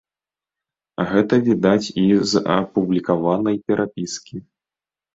Гэта відаць і з апублікаванай перапіскі.